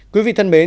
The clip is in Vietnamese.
quý vị thân mến